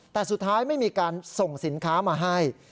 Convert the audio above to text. แต่สุดท้ายไม่มีการส่งสินค้ามาให้